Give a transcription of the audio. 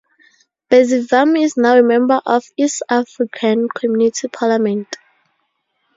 Bazivamo is now a member of east african community parliament.